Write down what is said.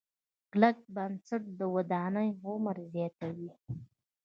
کلک بنسټ د ودانۍ عمر زیاتوي.